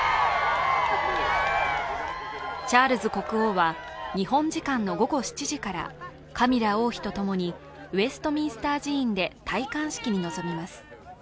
チャールズ国王は日本時間の午後７時からカミラ王妃と共にウェストミンスター寺院で戴冠式に臨みます。